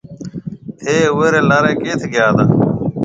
ٿَي اُوئي ريَ لاريَ ڪيٿ گيا هتا؟